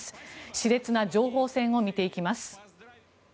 熾烈な情報戦を見ていきます。